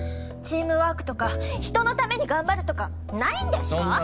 チームワークとか人のために頑張るとかないんですか？